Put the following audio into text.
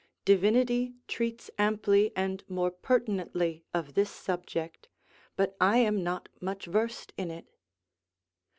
Divinity treats amply and more pertinently of this subject, but I am not much versed in it.